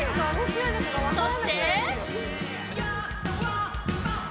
そして。